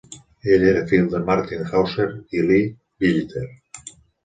Ell era el fill de Martin Hauser i Leah Billiter.